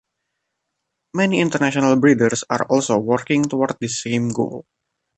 Many international breeders are also working toward this same goal.